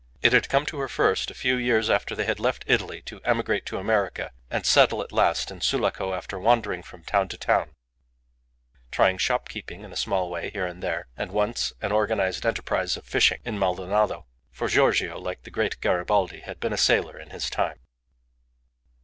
It had come to her first a few years after they had left Italy to emigrate to America and settle at last in Sulaco after wandering from town to town, trying shopkeeping in a small way here and there; and once an organized enterprise of fishing in Maldonado for Giorgio, like the great Garibaldi, had been a sailor in his time.